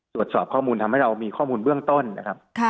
ตรวจสอบข้อมูลทำให้เรามีข้อมูลเบื้องต้นนะครับ